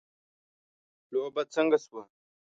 لوبه څنګه شوه